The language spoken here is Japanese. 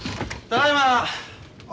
ただいま。